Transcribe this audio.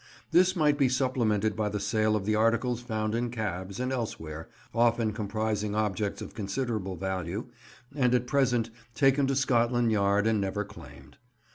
This might be supplemented by the sale of the articles found in cabs and elsewhere, often comprising objects of considerable value, and at present taken to Scotland Yard and never claimed.